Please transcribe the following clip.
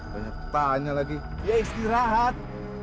banyak tanya lagi ya istirahat